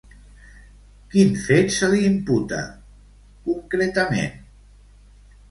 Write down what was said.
Quin fet se li imputa, concretament?